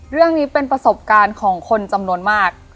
เรื่องนี้เป็นประสบการณ์ของคนจำนวนมาก